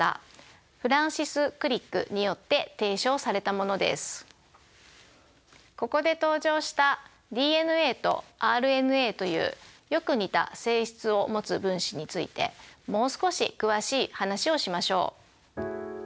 このここで登場したＤＮＡとＲＮＡというよく似た性質を持つ分子についてもう少し詳しい話をしましょう。